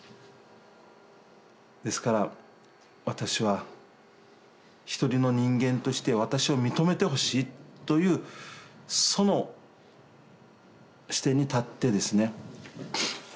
ですから私は一人の人間として私を認めてほしいというその視点に立ってですね